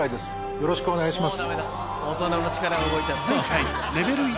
よろしくお願いします。